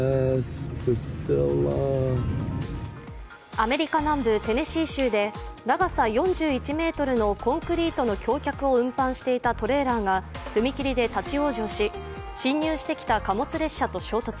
アメリカ南部テネシー州で長さ４１ｍのコンクリートの橋脚を運搬していたトレーラーが踏切で立往生し、進入してきた貨物列車と衝突。